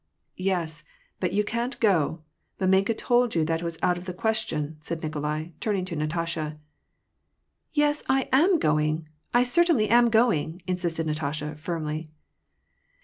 " Yes, but you can't go ; mamenka told you that it was out of the question," said Nikolai, turning to Natasha. '' Yes, I am going ; I certainly am going," insisted Natasha firmly.